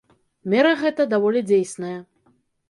Мера гэта даволі дзейсная.